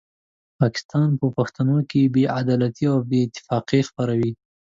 پاکستان په پښتنو کې بې عدالتي او بې اتفاقي خپروي.